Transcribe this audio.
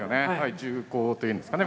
重厚というんですかね